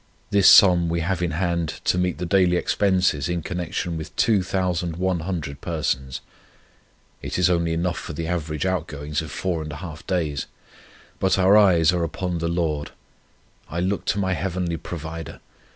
This sum we have in hand to meet the daily expenses in connection with 2,100 persons. It is only enough for the average outgoings of 4½ days. But our eyes are upon the Lord. I look to my heavenly Provider.